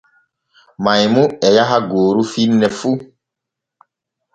Maymu e yaha gooru finne fu.